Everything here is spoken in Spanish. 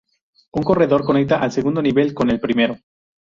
Un corredor conecta al segundo nivel con el primero.